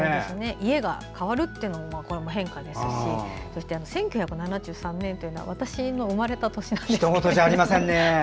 家が変わるというのはまた変化ですし１９７３年というのは私の生まれた年なんです。